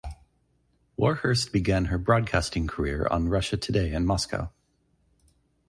Warhurst began her broadcasting career on Russia Today in Moscow.